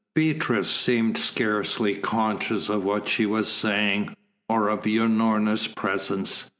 Beatrice seemed scarcely conscious of what she was saying, or of Unorna's presence.